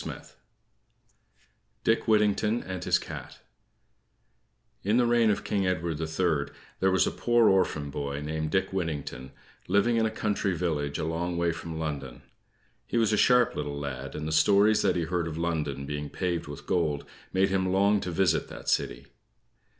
DICK WHITTINGTON AND HIS CAT In the reign of King Edward the Third there was a poor orphan boy, named Dick Whittington, living in a country village a long way from London. He was a sharp little lad, and the stories that he heard of London being paved with gold made him long to visit that city.